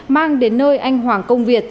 mang đến nơi anh hoàng công việt